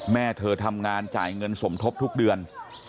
แม่เธอทำงานจ่ายเงินสมทบทุกเดือน